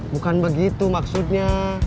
bukan begitu maksudnya